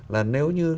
là nếu như